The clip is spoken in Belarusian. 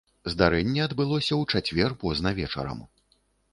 Здарэнне адбылося ў чацвер позна вечарам.